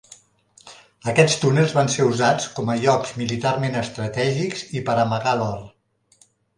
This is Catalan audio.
Aquests túnels van ser usats com a llocs militarment estratègics i per amagar l'or.